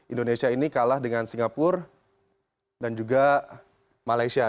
indonesia ini kalah dengan singapura dan juga malaysia